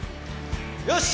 よし。